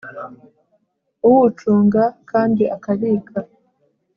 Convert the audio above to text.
Uw ucunga kandi akabika